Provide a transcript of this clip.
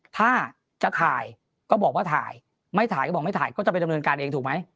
ถ้าจะถ่ายก็บอกว่าถ่ายไม่ถ่ายก็บอกไม่ถ่ายก็จะไปดำเนินการเองถูกไหม